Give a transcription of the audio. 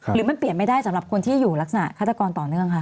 หรือมันเปลี่ยนไม่ได้สำหรับคนที่อยู่ลักษณะฆาตกรต่อเนื่องคะ